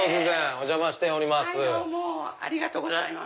お邪魔しております。